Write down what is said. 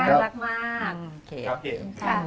รักมากรักมาก